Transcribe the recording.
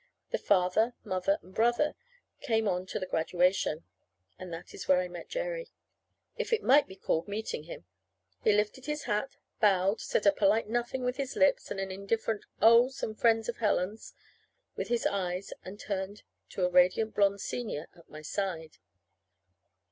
The father, mother, and brother came on to the graduation. And that is where I met Jerry. If it might be called meeting him. He lifted his hat, bowed, said a polite nothing with his lips, and an indifferent "Oh, some friend of Helen's," with his eyes, and turned to a radiant blonde senior at my side.